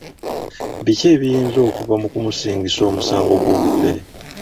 Biki ebiyinza okuva mu kumusingisa omusango gw'obufere.